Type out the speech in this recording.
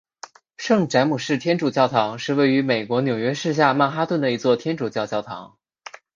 圣詹姆士天主教堂是位于美国纽约市下曼哈顿的一座天主教教堂。